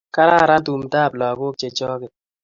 Kararan tumdoab lakoko chechokote